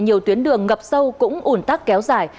nhiều tuyến đường ngập sâu cũng ủn tắc kéo dài